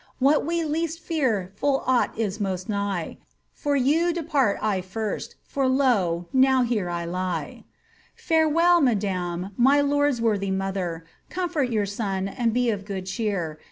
What we least fear lull oft is most nigh. From you depart I first,* for lo, now here I lie ! Farewell, madame,* my lord*s worthy mother. Comfort your son, and be of good cheer.